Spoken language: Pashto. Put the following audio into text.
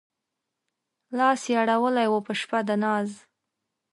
لاس يې اړولی و په شپه د ناز